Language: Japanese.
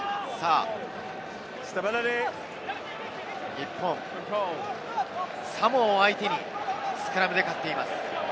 日本、サモアを相手にスクラムで勝っています。